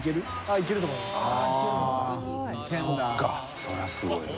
そうかそりゃすごいわ。